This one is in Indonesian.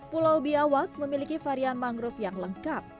pulau biawak memiliki varian mangrove yang lengkap